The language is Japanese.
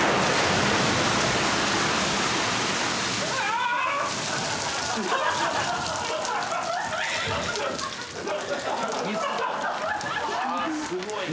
あすごい。